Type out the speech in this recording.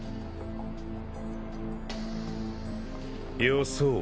よそう。